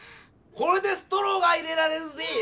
これでストローが入れられるぜぇ！